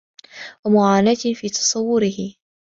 وَمُعَانَاةٍ فِي تَصَوُّرِهِ